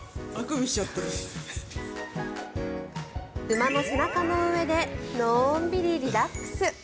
馬の背中の上でのんびりリラックス。